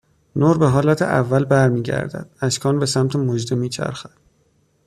نور به حالت اول برمیگردد. اشکان به سمت مژده میچرخد